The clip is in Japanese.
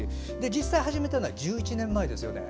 実際始めたのは１１年前ですよね。